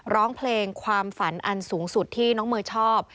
ร้องเพลงความฝันอันสูงสุดที่น้องเมย์ชอบ